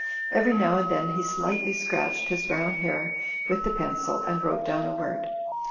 Every now and then he slightly scratched his brown hair with the pencil, and wrote down a word.